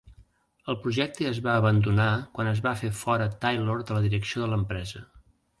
El projecte es va abandonar quan es va fer fora Taylor de la direcció de l'empresa.